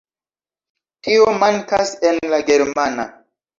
Tio mankas en la germana.